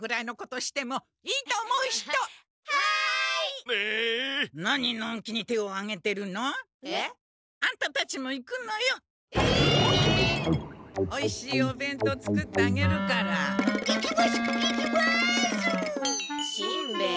しんべヱ。